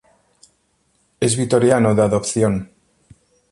Es vitoriano de adopción.